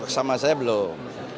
kalau sama saya belum